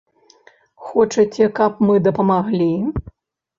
Хочаце каб мы дапамаглі?